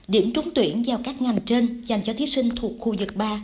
điểm trúng tuyển giao các ngành trên dành cho thí sinh thuộc khu vực ba